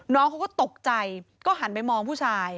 น้องเขาก็ตกใจก็หันไปมองผู้ชาย